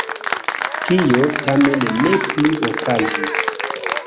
Tio tamen ne plu okazis.